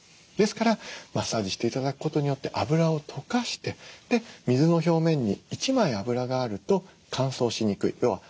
ですからマッサージして頂くことによって脂を溶かしてで水の表面に一枚脂があると乾燥しにくい。